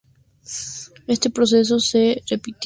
Este proceso se repitió hasta la elección de la canción.